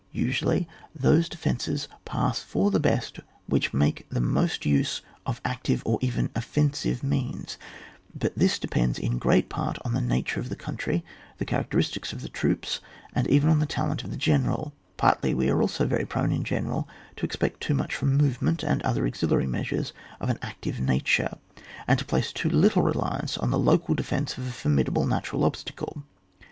Usually those defences pass for the best which make the most use of active or even o£Eensive means ; but this depends in great part on the nature of the coun try, the characteristics of the troops, and even on the talent of the general ; partly we are also very prone in general to expect too much from movement, and other auxiliary measures of an active nature, and to place too little reliance on the local defence of a formidable natural obstacle.